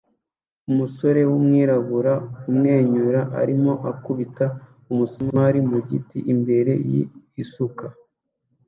Umusore w'umwirabura amwenyura arimo akubita umusumari mu giti imbere y'isuka